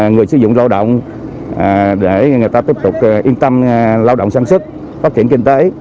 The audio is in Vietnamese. người sử dụng lao động để người ta tiếp tục yên tâm lao động sản xuất phát triển kinh tế